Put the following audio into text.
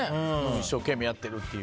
一生懸命やってるっていう。